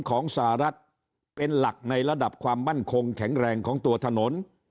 ของสหรัฐเป็นหลักในระดับความมั่นคงแข็งแรงของตัวถนน